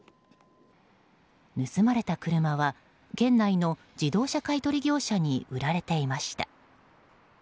盗まれた車は、県内の自動車買い取り業者に売られていました。